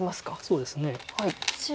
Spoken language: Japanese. そうですね。